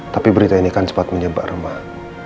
tapi berita ini kan cepat menyebak remah